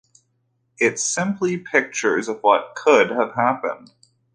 It's simply pictures of what could have happened.